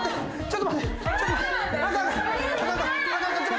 ちょっと待って。